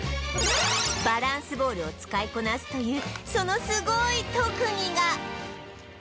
バランスボールを使いこなすというそのすごい特技が